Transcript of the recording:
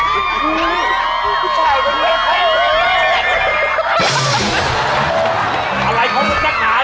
ชื่อแบบว่าผู้ชายสินะครับ